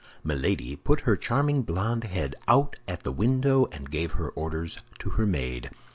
Milady put her charming blond head out at the window, and gave her orders to her maid.